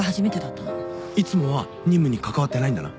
いつもは任務に関わってないんだな？